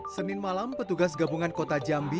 senin malam petugas gabungan kota jambi